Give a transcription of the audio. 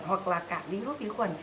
hoặc là cả virus vi khuẩn